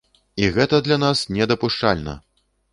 І гэта для нас недапушчальна!